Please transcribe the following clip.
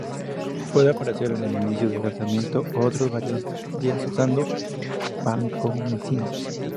Puede aparecer al inicio del tratamiento o tras varios días usando vancomicina.